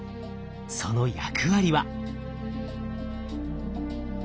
その役割は。